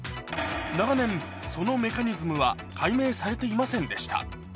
長年そのメカニズムは解明されていませんでした